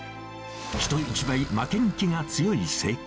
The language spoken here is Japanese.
人一倍負けん気が強い性格。